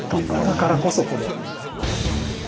だからこそこの。